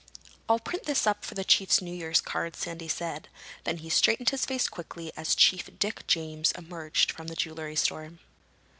"I'll print this up for the chief's New Year's card," Sandy said. Then he straightened his face quickly as Chief Dick James emerged from the jewelry store.